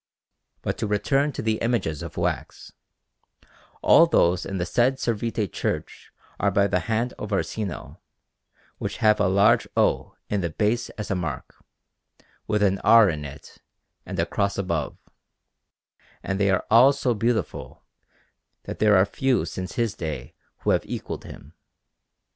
But to return to the images of wax: all those in the said Servite Church are by the hand of Orsino, which have a large O in the base as a mark, with an R within it and a cross above; and they are all so beautiful that there are few since his day who have equalled him.